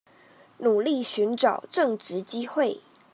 努力尋找正職機會